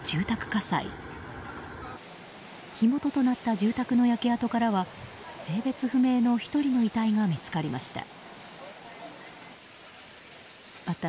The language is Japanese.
火元となった住宅の焼け跡からは性別不明の１人の遺体が見つかりました。